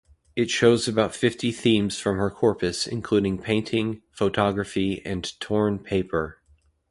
It shows about fifty themes from her corpus including painting, photography and torn paper.